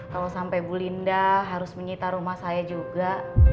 kalau sampai bu linda harus menyita rumah saya juga